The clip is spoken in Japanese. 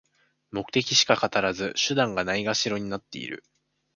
目的しか語らず、手段がないがしろになってる